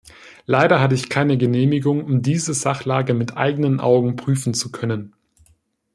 Leider hatte ich keine Genehmigung, um diese Sachlage mit eigenen Augen prüfen zu können.